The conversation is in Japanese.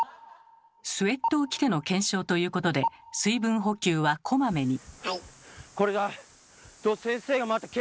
スウェットを着ての検証ということで水分補給はこまめに。